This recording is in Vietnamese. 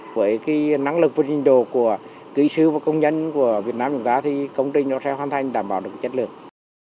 với năng lực vượt hình đồ của kỹ sư và công nhân của việt nam công trình sẽ hoàn thành đảm bảo chất lượng